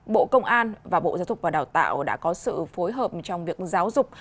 bộ công an và bộ giáo dục và đào tạo đã có sự phối hợp trong việc giáo dục